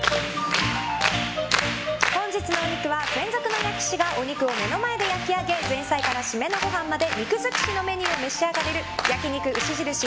本日のお肉は、専属の焼き師がお肉を目の前で焼き上げ前菜から締めのごはんまで肉尽くしのメニューを召し上がれる焼肉牛印